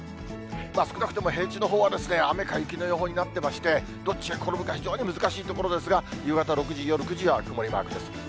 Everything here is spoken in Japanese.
少なくても平地のほうは雨か雪の予報になってまして、どっちに転ぶか非常に難しいところですが、夕方６時、夜９時は曇りマークです。